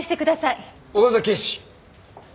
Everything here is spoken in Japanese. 岡崎警視。